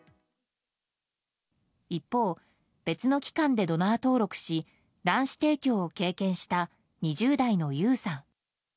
一方、別の機関でドナー登録し卵子提供を経験した２０代のゆうさん。